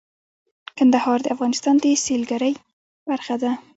کندهار د افغانستان د سیلګرۍ برخه ده.